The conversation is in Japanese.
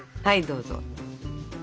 はいどうぞ。